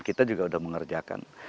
kita juga sudah mengerjakan